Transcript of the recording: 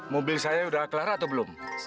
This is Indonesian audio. mobil saya sudah kelar atau belum